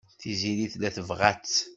Tiziri tella tebɣa-tt.